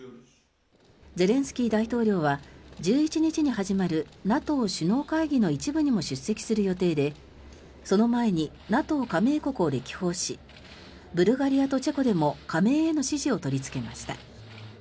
ゼレンスキー大統領は１１日に始まるＮＡＴＯ首脳会議の一部にも出席する予定でその前にＮＡＴＯ加盟国を歴訪しブルガリアとチェコでも加盟への支持を取りつけました。